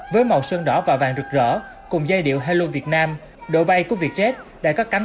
với màu sơn đỏ và vàng rực rỡ cùng dây điệu hello việt nam độ bay của vietjet đã có cánh